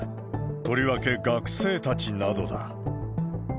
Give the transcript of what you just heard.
とりわけ学生たちなどだ。